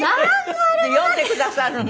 読んでくださるの？